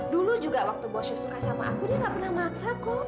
dulu juga waktu bos jo suka sama aku dia nggak pernah maksa kok